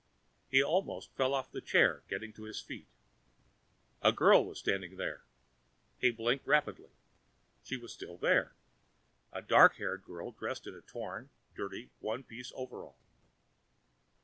He almost fell off the chair getting to his feet. A girl was standing there. He blinked rapidly, and she was still there, a tall, dark haired girl dressed in a torn, dirty one piece coverall.